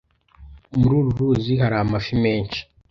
Muri uru ruzi hari amafi menshi.